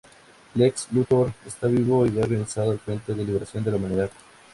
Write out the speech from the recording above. Lex Luthor está vivo y ha organizado el Frente de Liberación de la Humanidad.